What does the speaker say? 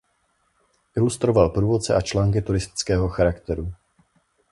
Ilustroval průvodce a články turistického charakteru.